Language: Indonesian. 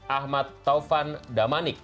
ahmad taufan damanik